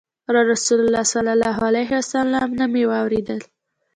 له رسول الله صلى الله عليه وسلم نه مي واورېدل